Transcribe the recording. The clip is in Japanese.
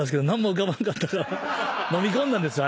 のみ込んだんですよ。